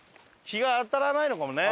日が当たらないのかもね。